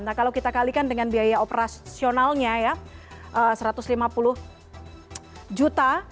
nah kalau kita kalikan dengan biaya operasionalnya ya satu ratus lima puluh juta